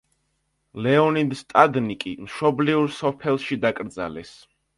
ლეონიდ სტადნიკი მშობლიურ სოფელში დაკრძალეს.